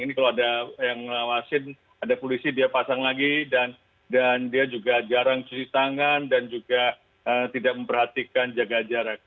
ini kalau ada yang ngawasin ada polisi dia pasang lagi dan dia juga jarang cuci tangan dan juga tidak memperhatikan jaga jarak